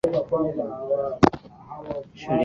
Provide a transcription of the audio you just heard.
Shule yetu ina masomo mazuri